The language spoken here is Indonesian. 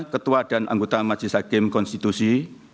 ketua dan anggota majelis hakim konstitusi